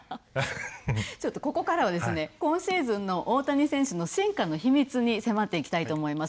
ちょっとここからは今シーズンの大谷選手の進化の秘密に迫っていきたいと思います。